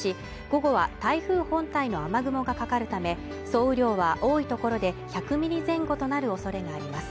午後は台風本体の雨雲がかかるため総雨量は多い所で１００ミリ前後となるおそれがあります